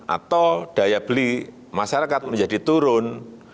atau daya beli masyarakat menjadi turun